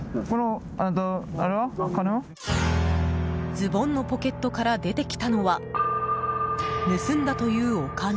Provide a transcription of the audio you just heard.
ズボンのポケットから出てきたのは、盗んだというお金。